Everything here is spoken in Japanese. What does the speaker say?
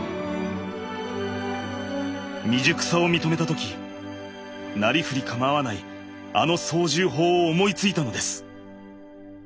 未熟さを認めた時なりふりかまわないあの操縦法を思いついたのです。